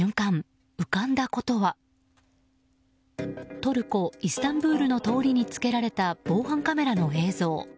トルコ・イスタンブールの通りにつけられた防犯カメラの映像。